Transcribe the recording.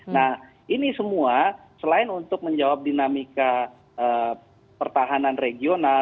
nah ini semua selain untuk menjawab dinamika pertahanan regional